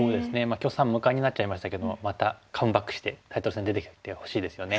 許さん無冠になっちゃいましたけどまたカムバックしてタイトル戦に出てきてほしいですよね。